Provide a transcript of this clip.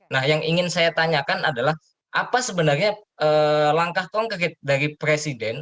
nah yang ingin saya tanyakan adalah apa sebenarnya langkah konkret dari presiden